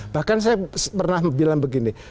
bahkan saya pernah bilang begini